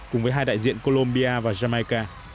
cùng với hai đại diện colombia và jamaica